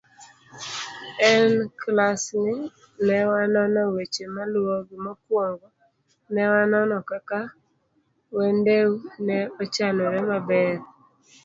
E klasni, ne wanono weche maluwogi; mokwongo, ne wanono kaka wendeu ne ochanore maber.